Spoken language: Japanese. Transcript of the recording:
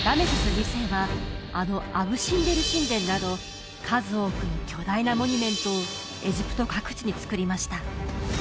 ２世はあのアブ・シンベル神殿など数多くの巨大なモニュメントをエジプト各地に造りました